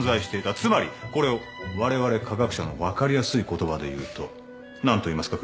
つまりこれをわれわれ科学者の分かりやすい言葉で言うと何と言いますか？